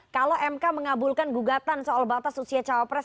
kalau mk mengabulkan gugatan soal batas usia cawapres